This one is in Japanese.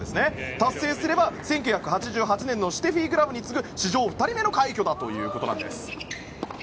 達成すれば１９８８年のシュテフィ・グラフに次ぐ史上２人目の快挙です。